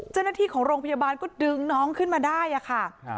เจ้าหน้าที่ของโรงพยาบาลก็ดึงน้องขึ้นมาได้ค่ะ